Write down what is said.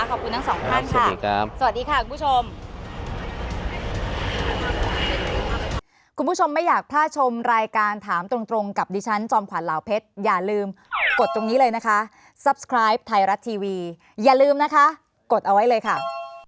ขอบคุณทั้งสองคนค่ะสวัสดีค่ะคุณผู้ชม